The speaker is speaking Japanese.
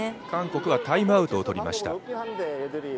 韓国がタイムアウトを取りました。